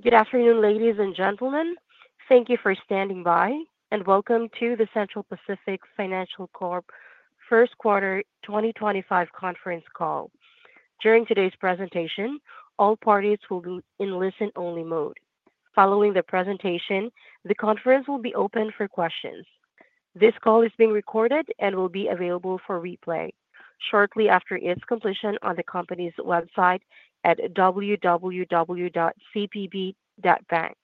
Good afternoon, ladies and gentlemen. Thank you for standing by, and welcome to the Central Pacific Financial Corp First Quarter 2025 conference call. During today's presentation, all parties will be in listen-only mode. Following the presentation, the conference will be open for questions. This call is being recorded and will be available for replay shortly after its completion on the company's website at www.cpb.bank.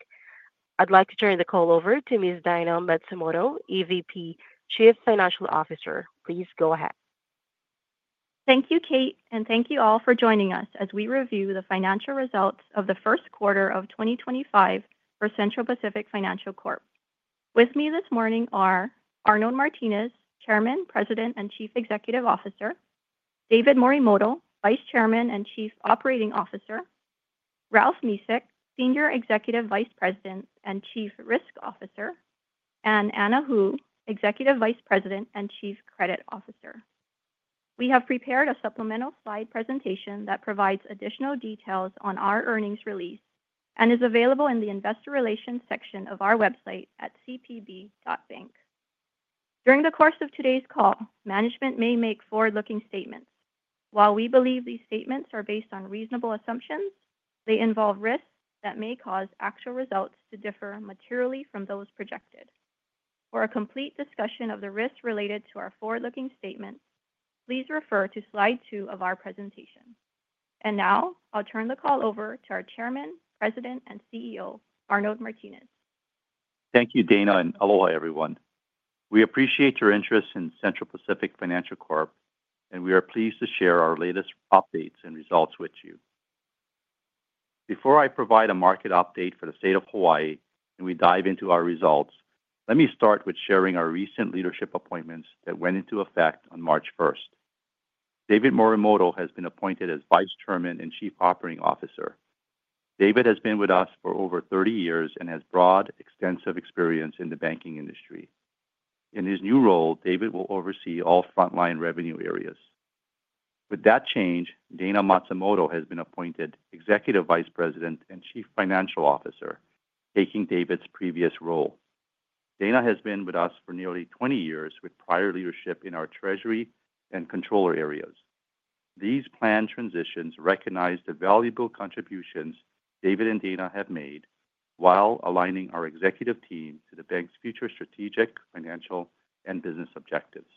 I'd like to turn the call over to Ms. Dayna Matsumoto, EVP, Chief Financial Officer. Please go ahead. Thank you, Kate, and thank you all for joining us as we review the financial results of the first quarter of 2025 for Central Pacific Financial Corp. With me this morning are Arnold Martinez, Chairman, President, and Chief Executive Officer; David Morimoto, Vice Chairman and Chief Operating Officer; Ralph Mesick, Senior Executive Vice President and Chief Risk Officer; and Anna Hu, Executive Vice President and Chief Credit Officer. We have prepared a supplemental slide presentation that provides additional details on our earnings release and is available in the Investor Relations section of our website at cpb.bank. During the course of today's call, management may make forward-looking statements. While we believe these statements are based on reasonable assumptions, they involve risks that may cause actual results to differ materially from those projected. For a complete discussion of the risks related to our forward-looking statements, please refer to slide two of our presentation. I will now turn the call over to our Chairman, President, and CEO, Arnold Martinez. Thank you, Dayna, and aloha everyone. We appreciate your interest in Central Pacific Financial Corp, and we are pleased to share our latest updates and results with you. Before I provide a market update for the state of Hawaii and we dive into our results, let me start with sharing our recent leadership appointments that went into effect on March 1. David Morimoto has been appointed as Vice Chairman and Chief Operating Officer. David has been with us for over 30 years and has broad, extensive experience in the banking industry. In his new role, David will oversee all frontline revenue areas. With that change, Dayna Matsumoto has been appointed Executive Vice President and Chief Financial Officer, taking David's previous role. Dayna has been with us for nearly 20 years with prior leadership in our treasury and controller areas. These planned transitions recognize the valuable contributions David and Dayna have made while aligning our executive team to the bank's future strategic, financial, and business objectives.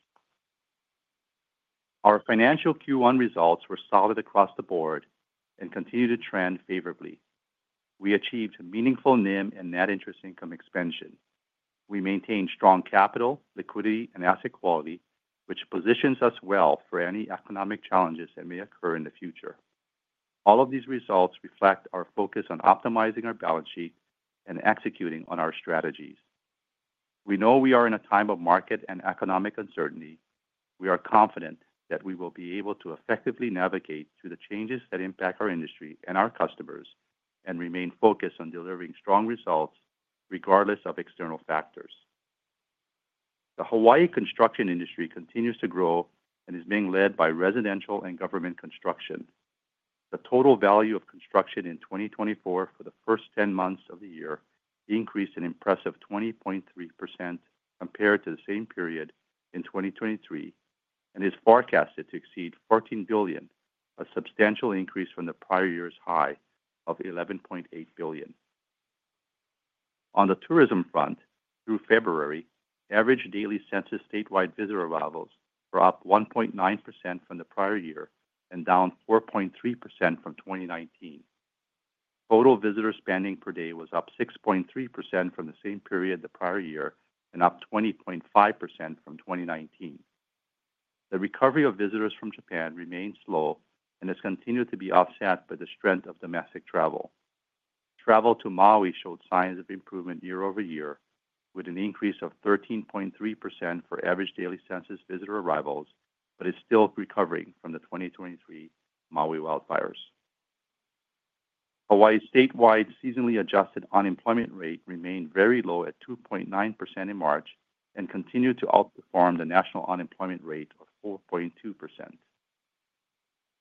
Our financial Q1 results were solid across the board and continue to trend favorably. We achieved meaningful NIM and net interest income expansion. We maintain strong capital, liquidity, and asset quality, which positions us well for any economic challenges that may occur in the future. All of these results reflect our focus on optimizing our balance sheet and executing on our strategies. We know we are in a time of market and economic uncertainty. We are confident that we will be able to effectively navigate through the changes that impact our industry and our customers and remain focused on delivering strong results regardless of external factors. The Hawaii construction industry continues to grow and is being led by residential and government construction. The total value of construction in 2024 for the first 10 months of the year increased an impressive 20.3% compared to the same period in 2023 and is forecasted to exceed $14 billion, a substantial increase from the prior year's high of $11.8 billion. On the tourism front, through February, average daily census statewide visitor levels were up 1.9% from the prior year and down 4.3% from 2019. Total visitor spending per day was up 6.3% from the same period the prior year and up 20.5% from 2019. The recovery of visitors from Japan remained slow and has continued to be offset by the strength of domestic travel. Travel to Maui showed signs of improvement year over year, with an increase of 13.3% for average daily census visitor arrivals, but is still recovering from the 2023 Maui wildfires. Hawaii's statewide seasonally adjusted unemployment rate remained very low at 2.9% in March and continued to outperform the national unemployment rate of 4.2%.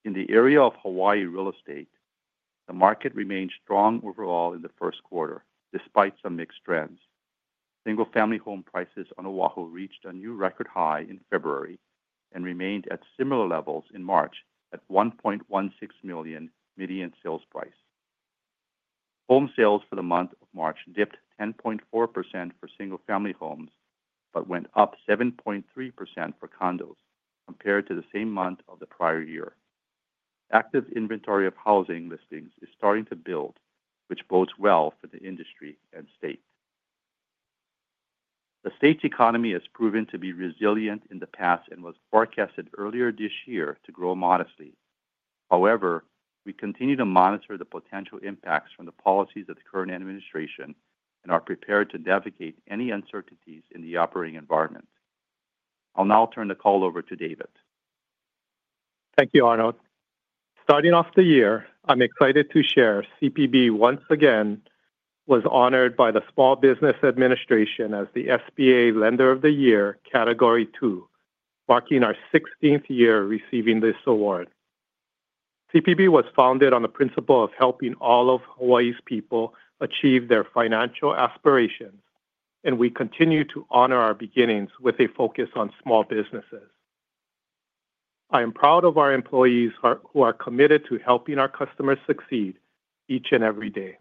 In the area of Hawaii real estate, the market remained strong overall in the first quarter, despite some mixed trends. Single-family home prices on Oahu reached a new record high in February and remained at similar levels in March at $1.16 million median sales price. Home sales for the month of March dipped 10.4% for single-family homes but went up 7.3% for condos compared to the same month of the prior year. Active inventory of housing listings is starting to build, which bodes well for the industry and state. The state's economy has proven to be resilient in the past and was forecasted earlier this year to grow modestly. However, we continue to monitor the potential impacts from the policies of the current administration and are prepared to navigate any uncertainties in the operating environment. I'll now turn the call over to David. Thank you, Arnold. Starting off the year, I'm excited to share CPB once again was honored by the Small Business Administration as the SBA Lender of the Year, category two, marking our 16th year receiving this award. CPB was founded on the principle of helping all of Hawaii's people achieve their financial aspirations, and we continue to honor our beginnings with a focus on small businesses. I am proud of our employees who are committed to helping our customers succeed each and every day.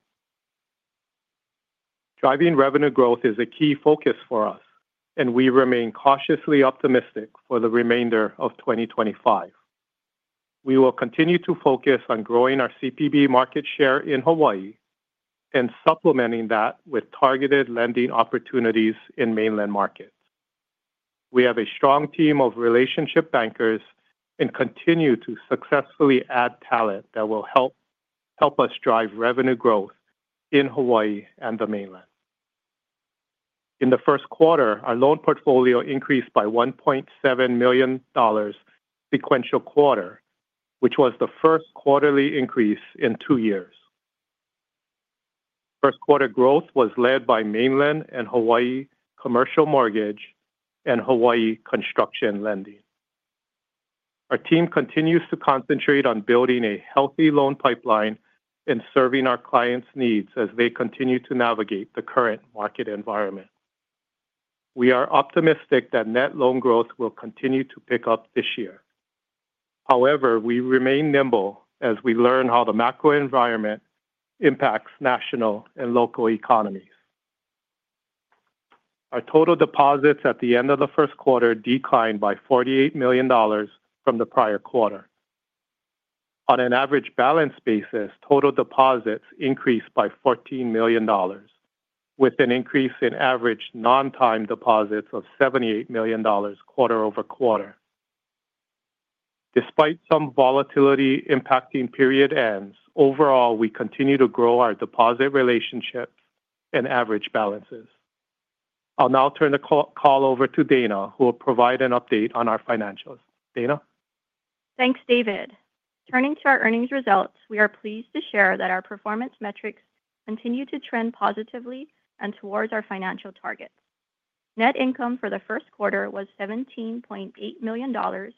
Driving revenue growth is a key focus for us, and we remain cautiously optimistic for the remainder of 2025. We will continue to focus on growing our CPB market share in Hawaii and supplementing that with targeted lending opportunities in mainland markets. We have a strong team of relationship bankers and continue to successfully add talent that will help us drive revenue growth in Hawaii and the mainland. In the first quarter, our loan portfolio increased by $1.7 million sequential quarter, which was the first quarterly increase in two years. First quarter growth was led by mainland and Hawaii commercial mortgage and Hawaii construction lending. Our team continues to concentrate on building a healthy loan pipeline and serving our clients' needs as they continue to navigate the current market environment. We are optimistic that net loan growth will continue to pick up this year. However, we remain nimble as we learn how the macro environment impacts national and local economies. Our total deposits at the end of the first quarter declined by $48 million from the prior quarter. On an average balance basis, total deposits increased by $14 million, with an increase in average non-time deposits of $78 million quarter over quarter. Despite some volatility impacting period ends, overall, we continue to grow our deposit relationships and average balances. I'll now turn the call over to Dayna, who will provide an update on our financials. Dayna. Thanks, David. Turning to our earnings results, we are pleased to share that our performance metrics continue to trend positively and towards our financial targets. Net income for the first quarter was $17.8 million, or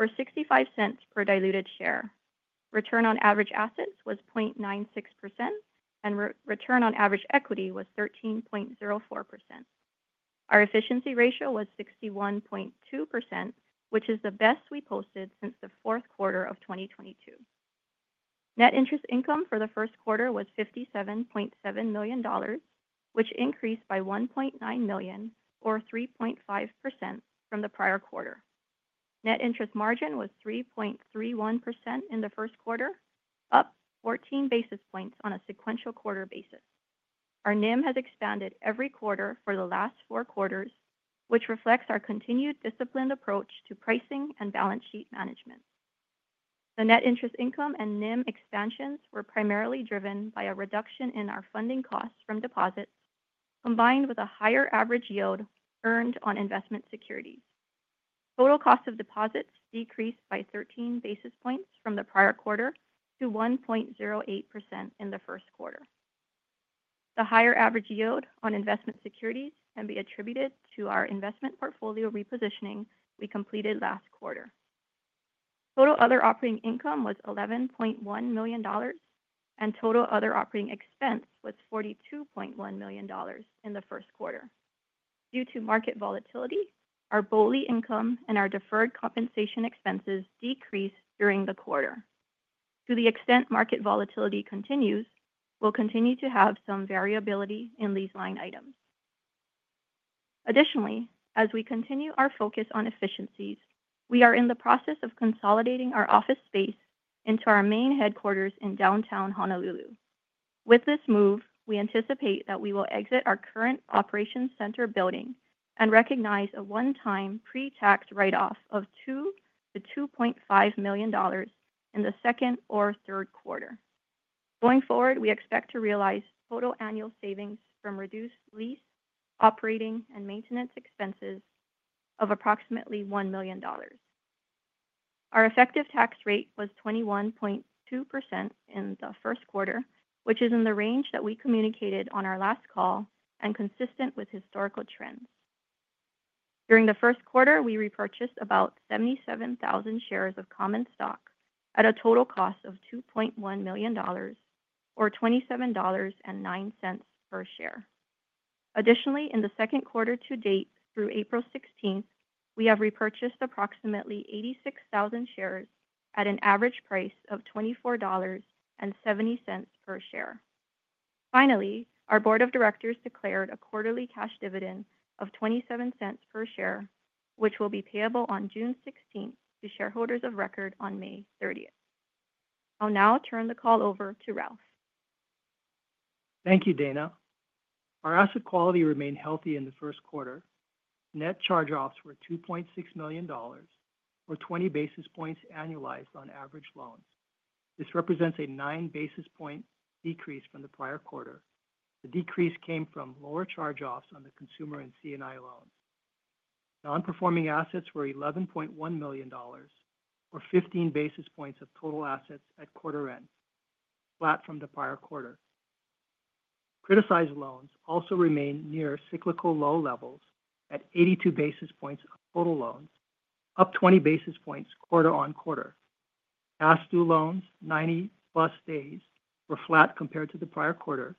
$0.65 per diluted share. Return on average assets was 0.96%, and return on average equity was 13.04%. Our efficiency ratio was 61.2%, which is the best we posted since the fourth quarter of 2022. Net interest income for the first quarter was $57.7 million, which increased by $1.9 million, or 3.5% from the prior quarter. Net interest margin was 3.31% in the first quarter, up 14 basis points on a sequential quarter basis. Our NIM has expanded every quarter for the last four quarters, which reflects our continued disciplined approach to pricing and balance sheet management. The net interest income and NIM expansions were primarily driven by a reduction in our funding costs from deposits, combined with a higher average yield earned on investment securities. Total cost of deposits decreased by 13 basis points from the prior quarter to 1.08% in the first quarter. The higher average yield on investment securities can be attributed to our investment portfolio repositioning we completed last quarter. Total other operating income was $11.1 million, and total other operating expense was $42.1 million in the first quarter. Due to market volatility, our BOLI income and our deferred compensation expenses decreased during the quarter. To the extent market volatility continues, we'll continue to have some variability in these line items. Additionally, as we continue our focus on efficiencies, we are in the process of consolidating our office space into our main headquarters in downtown Honolulu. With this move, we anticipate that we will exit our current operations center building and recognize a one-time pre-tax write-off of $2-$2.5 million in the second or third quarter. Going forward, we expect to realize total annual savings from reduced lease, operating, and maintenance expenses of approximately $1 million. Our effective tax rate was 21.2% in the first quarter, which is in the range that we communicated on our last call and consistent with historical trends. During the first quarter, we repurchased about 77,000 shares of common stock at a total cost of $2.1 million, or $27.09 per share. Additionally, in the second quarter to date, through April 16th, we have repurchased approximately 86,000 shares at an average price of $24.70 per share. Finally, our board of directors declared a quarterly cash dividend of $0.27 per share, which will be payable on June 16th to shareholders of record on May 30th. I'll now turn the call over to Ralph. Thank you, Dayna. Our asset quality remained healthy in the first quarter. Net charge-offs were $2.6 million, or 20 basis points annualized on average loans. This represents a nine basis point decrease from the prior quarter. The decrease came from lower charge-offs on the consumer and C&I loans. Non-performing assets were $11.1 million, or 15 basis points of total assets at quarter end, flat from the prior quarter. Criticized loans also remain near cyclical low levels at 82 basis points of total loans, up 20 basis points quarter on quarter. Pass due loans, 90-plus days, were flat compared to the prior quarter,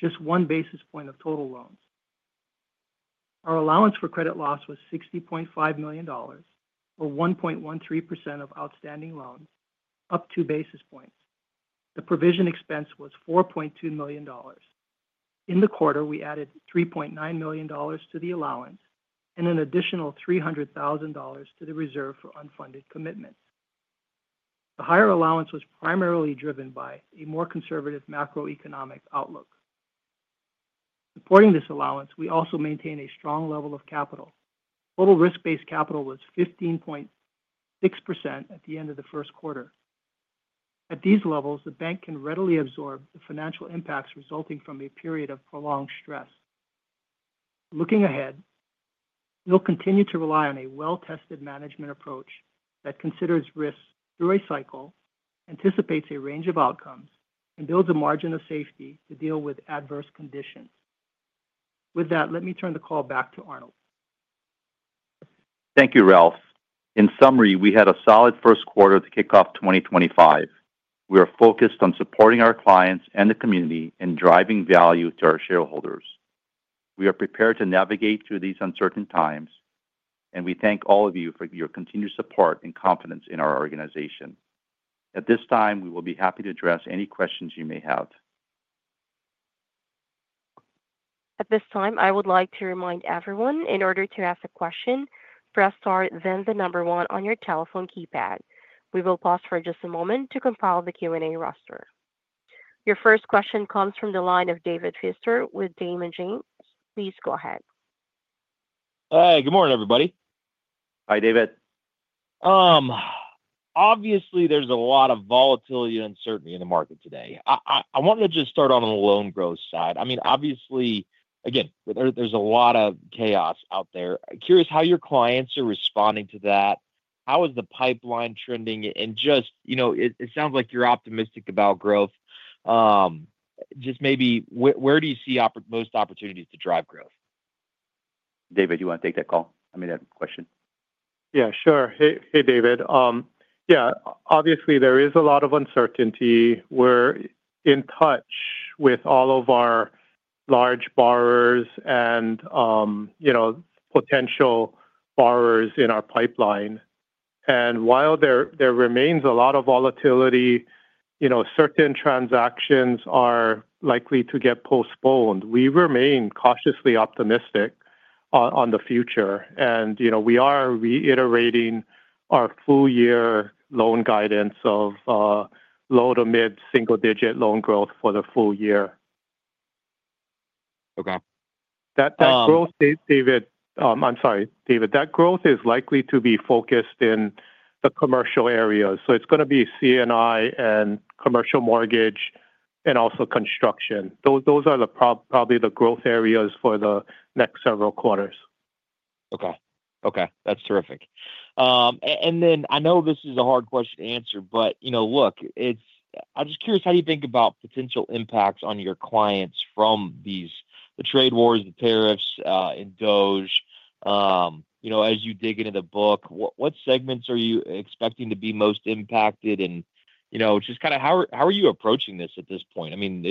just one basis point of total loans. Our allowance for credit loss was $60.5 million, or 1.13% of outstanding loans, up two basis points. The provision expense was $4.2 million. In the quarter, we added $3.9 million to the allowance and an additional $300,000 to the reserve for unfunded commitments. The higher allowance was primarily driven by a more conservative macroeconomic outlook. Supporting this allowance, we also maintain a strong level of capital. Total risk-based capital was 15.6% at the end of the first quarter. At these levels, the bank can readily absorb the financial impacts resulting from a period of prolonged stress. Looking ahead, we'll continue to rely on a well-tested management approach that considers risks through a cycle, anticipates a range of outcomes, and builds a margin of safety to deal with adverse conditions. With that, let me turn the call back to Arnold. Thank you, Ralph. In summary, we had a solid first quarter to kick off 2025. We are focused on supporting our clients and the community and driving value to our shareholders. We are prepared to navigate through these uncertain times, and we thank all of you for your continued support and confidence in our organization. At this time, we will be happy to address any questions you may have. At this time, I would like to remind everyone, in order to ask a question, press star then the number one on your telephone keypad. We will pause for just a moment to compile the Q&A roster. Your first question comes from the line of David Feaster with Raymond James. Please go ahead. Hi, good morning, everybody. Hi, David. Obviously, there's a lot of volatility and uncertainty in the market today. I wanted to just start on the loan growth side. I mean, obviously, again, there's a lot of chaos out there. Curious how your clients are responding to that. How is the pipeline trending? You know, it sounds like you're optimistic about growth. Just maybe, where do you see most opportunities to drive growth? David, do you want to take that call? I mean, that question. Yeah, sure. Hey, David. Yeah, obviously, there is a lot of uncertainty. We're in touch with all of our large borrowers and, you know, potential borrowers in our pipeline. While there remains a lot of volatility, you know, certain transactions are likely to get postponed, we remain cautiously optimistic on the future. You know, we are reiterating our full-year loan guidance of low to mid single-digit loan growth for the full year. Okay. That growth, David, I'm sorry, David, that growth is likely to be focused in the commercial areas. It is going to be C&I and commercial mortgage and also construction. Those are probably the growth areas for the next several quarters. Okay. Okay. That's terrific. I know this is a hard question to answer, but, you know, look, I'm just curious how you think about potential impacts on your clients from the trade wars, the tariffs, and DOGE. You know, as you dig into the book, what segments are you expecting to be most impacted? You know, just kind of how are you approaching this at this point? I mean,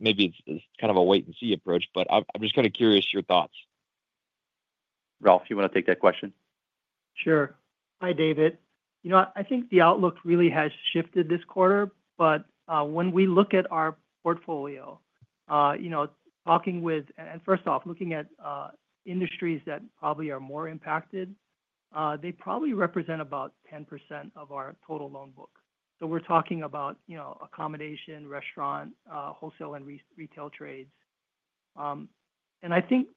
maybe it's kind of a wait-and-see approach, but I'm just kind of curious your thoughts. Ralph, you want to take that question? Sure. Hi, David. You know, I think the outlook really has shifted this quarter. When we look at our portfolio, you know, talking with, and first off, looking at industries that probably are more impacted, they probably represent about 10% of our total loan book. We are talking about, you know, accommodation, restaurant, wholesale, and retail trades. I think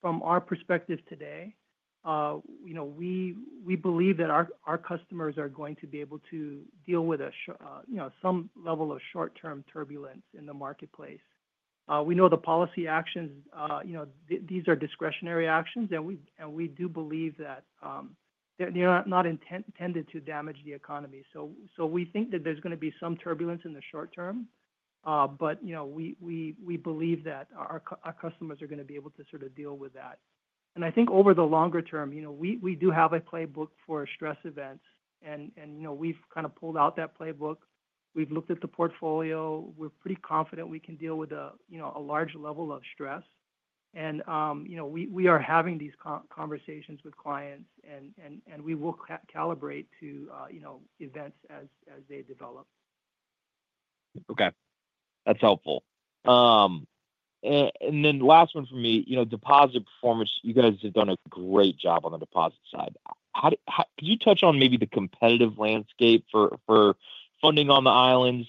from our perspective today, you know, we believe that our customers are going to be able to deal with, you know, some level of short-term turbulence in the marketplace. We know the policy actions, you know, these are discretionary actions, and we do believe that they are not intended to damage the economy. We think that there is going to be some turbulence in the short term. You know, we believe that our customers are going to be able to sort of deal with that. Over the longer term, you know, we do have a playbook for stress events. You know, we've kind of pulled out that playbook. We've looked at the portfolio. We're pretty confident we can deal with a, you know, a large level of stress. You know, we are having these conversations with clients, and we will calibrate to, you know, events as they develop. Okay. That's helpful. Last one for me, you know, deposit performance, you guys have done a great job on the deposit side. Could you touch on maybe the competitive landscape for funding on the islands,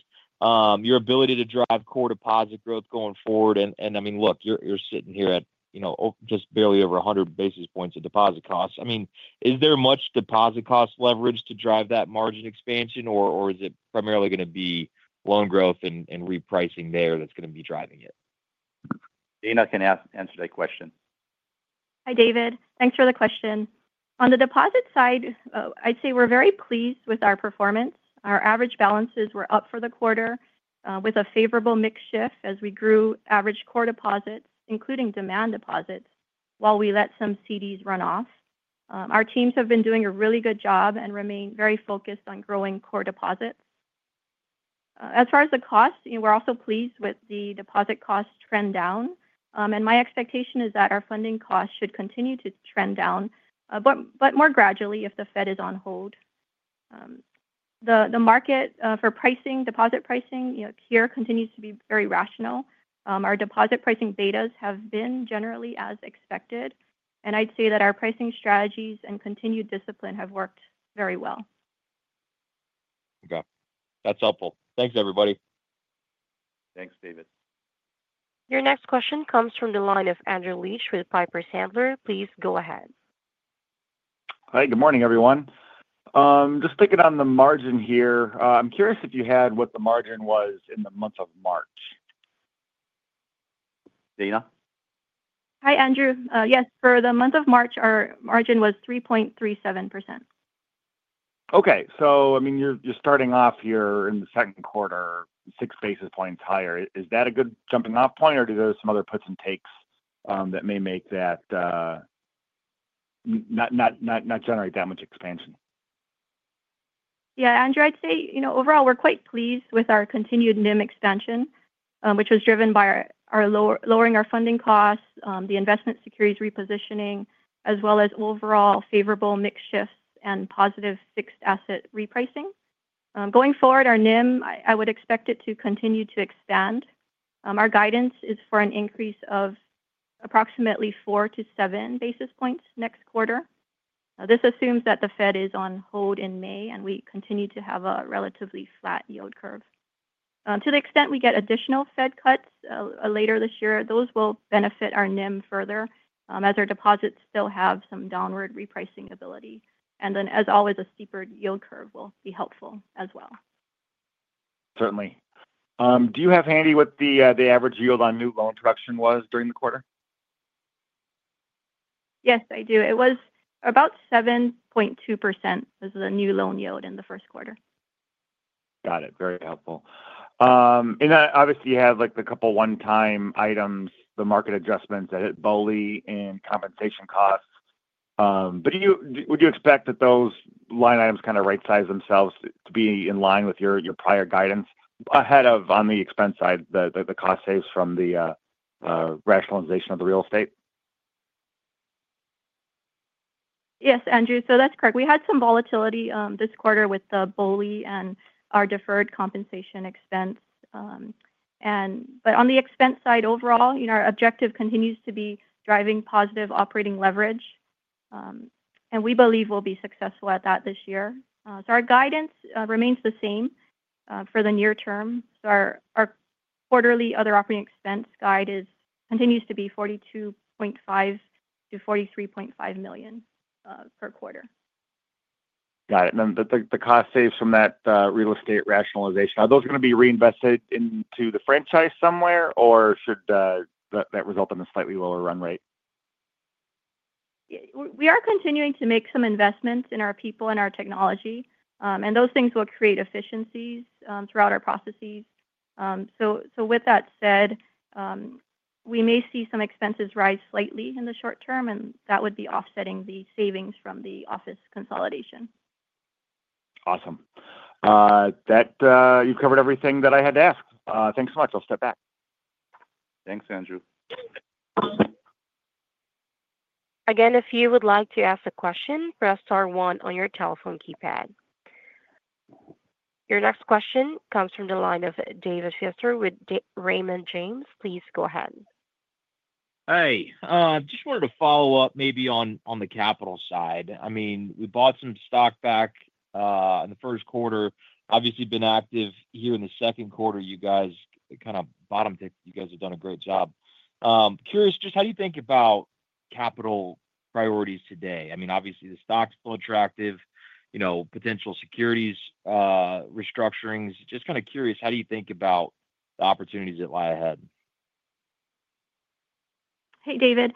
your ability to drive core deposit growth going forward? I mean, look, you're sitting here at, you know, just barely over 100 basis points of deposit costs. I mean, is there much deposit cost leverage to drive that margin expansion, or is it primarily going to be loan growth and repricing there that's going to be driving it? Dayna can answer that question. Hi, David. Thanks for the question. On the deposit side, I'd say we're very pleased with our performance. Our average balances were up for the quarter with a favorable mix shift as we grew average core deposits, including demand deposits, while we let some CDs run off. Our teams have been doing a really good job and remain very focused on growing core deposits. As far as the cost, we're also pleased with the deposit cost trend down. My expectation is that our funding costs should continue to trend down, but more gradually if the Fed is on hold. The market for pricing, deposit pricing, you know, here continues to be very rational. Our deposit pricing betas have been generally as expected. I'd say that our pricing strategies and continued discipline have worked very well. Okay. That's helpful. Thanks, everybody. Thanks, David. Your next question comes from the line of Andrew Liesch with Piper Sandler. Please go ahead. Hi, good morning, everyone. Just picking on the margin here, I'm curious if you had what the margin was in the month of March. Dayna? Hi, Andrew. Yes, for the month of March, our margin was 3.37%. Okay. I mean, you're starting off here in the second quarter, six basis points higher. Is that a good jumping-off point, or do there are some other puts and takes that may make that not generate that much expansion? Yeah, Andrew, I'd say, you know, overall, we're quite pleased with our continued NIM expansion, which was driven by lowering our funding costs, the investment securities repositioning, as well as overall favorable mixed shifts and positive fixed asset repricing. Going forward, our NIM, I would expect it to continue to expand. Our guidance is for an increase of approximately four to seven basis points next quarter. This assumes that the Fed is on hold in May and we continue to have a relatively flat yield curve. To the extent we get additional Fed cuts later this year, those will benefit our NIM further as our deposits still have some downward repricing ability. As always, a steeper yield curve will be helpful as well. Certainly. Do you have handy what the average yield on new loan production was during the quarter? Yes, I do. It was about 7.2% as the new loan yield in the first quarter. Got it. Very helpful. Obviously, you have like the couple one-time items, the market adjustments that hit BOLI and compensation costs. Would you expect that those line items kind of right-size themselves to be in line with your prior guidance ahead of on the expense side, the cost saves from the rationalization of the real estate? Yes, Andrew, so that's correct. We had some volatility this quarter with the BOLI and our deferred compensation expense. On the expense side, overall, you know, our objective continues to be driving positive operating leverage. We believe we'll be successful at that this year. Our guidance remains the same for the near term. Our quarterly other operating expense guide continues to be $42.5-$43.5 million per quarter. Got it. The cost saves from that real estate rationalization, are those going to be reinvested into the franchise somewhere, or should that result in a slightly lower run rate? We are continuing to make some investments in our people and our technology. Those things will create efficiencies throughout our processes. With that said, we may see some expenses rise slightly in the short term, and that would be offsetting the savings from the office consolidation. Awesome. You've covered everything that I had to ask. Thanks so much. I'll step back. Thanks, Andrew. Again, if you would like to ask a question, press star one on your telephone keypad. Your next question comes from the line of David Fister with Raymond James. Please go ahead. Hey, I just wanted to follow up maybe on the capital side. I mean, we bought some stock back in the first quarter, obviously been active here in the second quarter. You guys kind of bottomed it. You guys have done a great job. Curious just how do you think about capital priorities today? I mean, obviously, the stocks are still attractive, you know, potential securities restructurings. Just kind of curious, how do you think about the opportunities that lie ahead? Hey, David.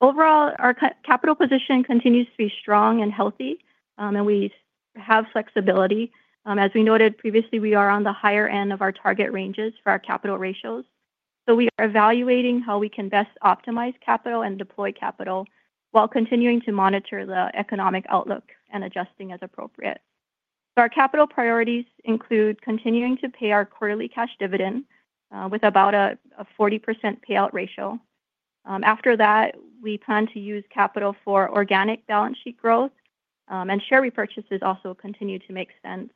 Overall, our capital position continues to be strong and healthy, and we have flexibility. As we noted previously, we are on the higher end of our target ranges for our capital ratios. We are evaluating how we can best optimize capital and deploy capital while continuing to monitor the economic outlook and adjusting as appropriate. Our capital priorities include continuing to pay our quarterly cash dividend with about a 40% payout ratio. After that, we plan to use capital for organic balance sheet growth, and share repurchases also continue to make sense.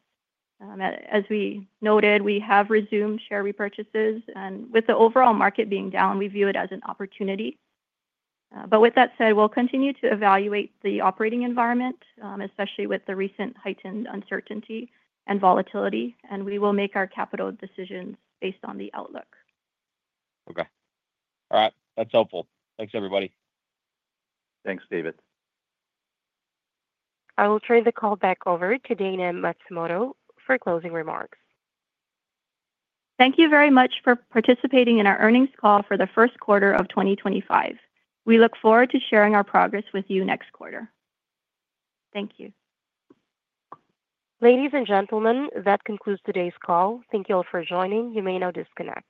As we noted, we have resumed share repurchases. With the overall market being down, we view it as an opportunity. That said, we'll continue to evaluate the operating environment, especially with the recent heightened uncertainty and volatility. We will make our capital decisions based on the outlook. Okay. All right. That's helpful. Thanks, everybody. Thanks, David. I will turn the call back over to Dayna Matsumoto for closing remarks. Thank you very much for participating in our earnings call for the first quarter of 2025. We look forward to sharing our progress with you next quarter. Thank you. Ladies and gentlemen, that concludes today's call. Thank you all for joining. You may now disconnect.